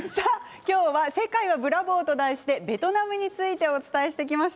今日は「世界はブラボー！」と題してベトナムについてお伝えしてきました。